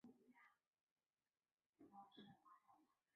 可通过候车室来往反方向月台。